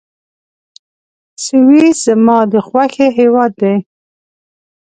سویس زما د خوښي هېواد دی.